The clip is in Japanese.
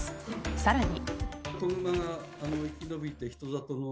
さらに。